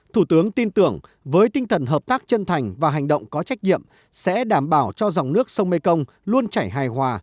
thủ tướng tin tưởng với tinh thần hợp tác chân thành và hành động có trách nhiệm sẽ đảm bảo cho dòng nước sông mekong luôn chảy hài hòa